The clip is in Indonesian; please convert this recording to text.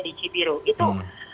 di cibiru itu